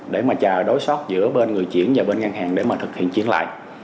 để mà chờ đối sót giữa bên người chuyển và bên ngân hàng để mà thực hiện chuyển lại